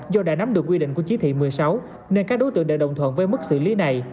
do đã nắm được quy định của chí thị một mươi sáu nên các đối tượng đều đồng thuận với mức xử lý này